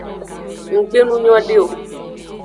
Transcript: Nggbe nu nyode o.